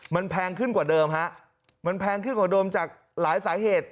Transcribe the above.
มันแพงขึ้นกว่าเดิมฮะมันแพงขึ้นกว่าเดิมจากหลายสาเหตุ